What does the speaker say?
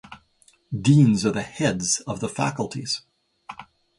Deans are the heads of the faculties.